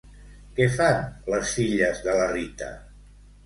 Què fan les filles de la Rita?